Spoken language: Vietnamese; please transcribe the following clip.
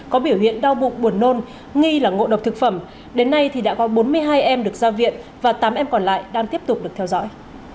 có biểu hiện đau bụng buồn nôn nghi là ngộ độc thực phẩm đến nay thì đã có bốn mươi hai em được ra viện và tám em còn lại đang tiếp tục được theo dõi